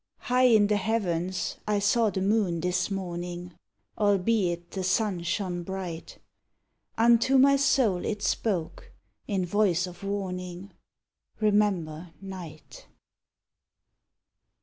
High in the heavens I saw the moon this morning, Albeit the sun shone bright; Unto my soul it spoke, in voice of warning, "Remember Night!"